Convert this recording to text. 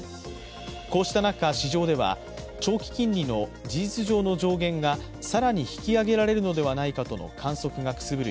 こうした中、市場では、長期金利の事実上の上限が更に引き上げられるのではないかとの観測がくすぶる